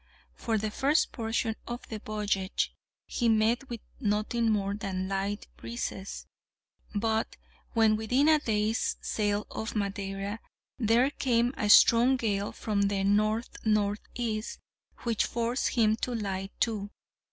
For the first portion of the voyage he met with nothing more than light breezes; but when within a day's sail of Madeira there came on a strong gale from the N. N. E. which forced him to lie to.